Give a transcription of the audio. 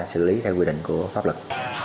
xử lý theo quy định của pháp luật